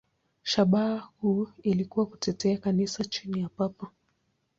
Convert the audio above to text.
Shabaha kuu ilikuwa kutetea Kanisa chini ya Papa.